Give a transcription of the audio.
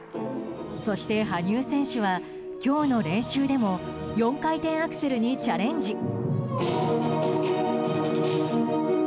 そして、羽生選手は今日の練習でも４回転アクセルにチャレンジ。